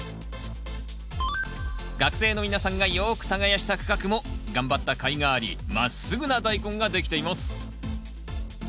学生の皆さんがよく耕した区画も頑張ったかいがありまっすぐなダイコンができています。